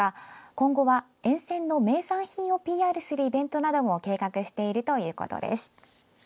今後は、沿線の名産品をＰＲするイベントなども計画しているということです。